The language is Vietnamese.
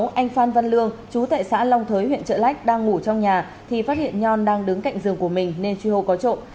anh phan văn lương chú tại xã long thới huyện trợ lách đang ngủ trong nhà thì phát hiện nhon đang đứng cạnh giường của mình nên truy hô có trộm